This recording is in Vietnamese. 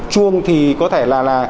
chuông thì có thể là